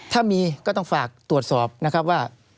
ถ้ามีก็ต้องฝากตรวจสอบนะครับว่า